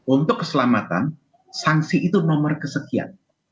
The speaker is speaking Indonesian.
untuk keselamatan sanksi itu nomor kesekian